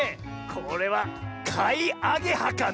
これはかいアゲハかな？